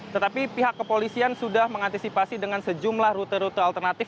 tetapi pihak kepolisian sudah mengantisipasi dengan sejumlah rute rute alternatif